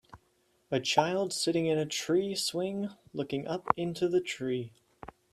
A child sitting in a tree swing looking up into the tree.